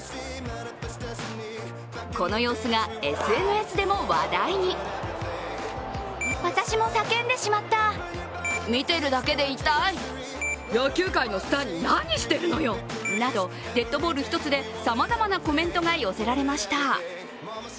この様子がＳＮＳでも話題に。など、デッドボール一つでさまざまなコメントが寄せられました。